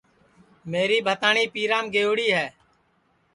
میری بھتاٹؔؔی پیرام گئیوڑی ہے